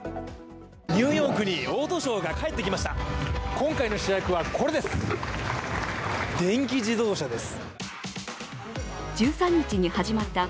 ニューヨークにオートショーが帰ってきました。